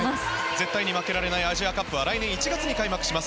絶対に負けられないアジアカップは来年１月に開幕します。